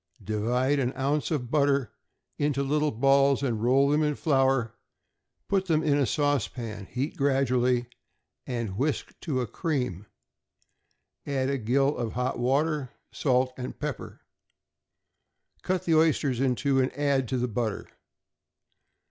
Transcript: Divide an ounce of butter into little balls, and roll them in flour; put them in a saucepan, heat gradually, and whisk to a cream; add a gill of hot water, salt and pepper. Cut the oysters in two, and add to the butter.